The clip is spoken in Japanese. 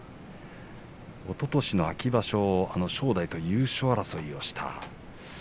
おととしの秋場所正代と優勝争いをした。